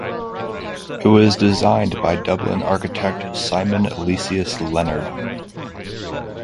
It was designed by Dublin architect Simon Aloysius Leonard.